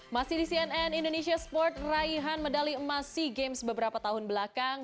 masih di cnn indonesia sport raihan medali emas sea games beberapa tahun belakang